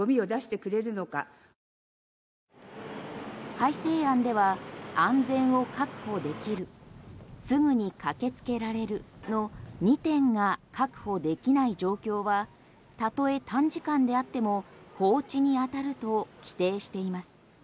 改正案では安全を確保できるすぐに駆けつけられるの２点が確保できない状況はたとえ短時間であっても放置に当たると規定しています。